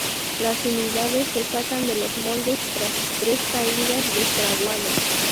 Las unidades se sacan de los moldes tras tres días de fraguado.